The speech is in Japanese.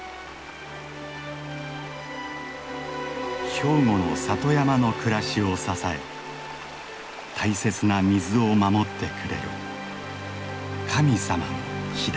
兵庫の里山の暮らしを支え大切な水を守ってくれる神様の木だ。